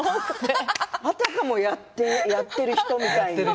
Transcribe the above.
あたかもやっている人みたいに。